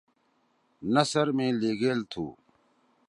نثر می لیِگیل تُھو